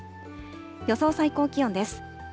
予想最高気温です。